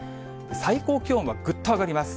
最高気温はぐっと上がります。